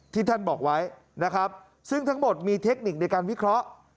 ที่ท่านบอกไว้นะครับซึ่งทั้งหมดมีเทคนิคในการวิเคราะห์